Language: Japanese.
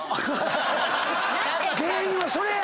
原因はそれや！